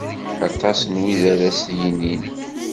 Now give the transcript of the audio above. Aṭas n wid ara d as-yinin.